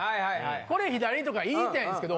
これ左とか言いたいんですけど